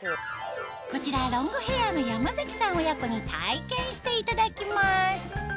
こちらロングヘアの山崎さん親子に体験していただきます